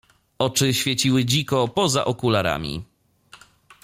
"Oczy świeciły dziko poza okularami."